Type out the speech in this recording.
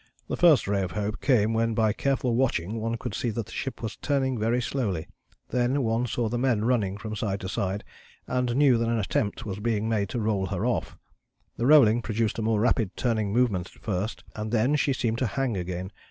"The first ray of hope came when by careful watching one could see that the ship was turning very slowly, then one saw the men running from side to side and knew that an attempt was being made to roll her off. The rolling produced a more rapid turning movement at first, and then she seemed to hang again.